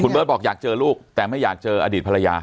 เบิร์ตบอกอยากเจอลูกแต่ไม่อยากเจออดีตภรรยา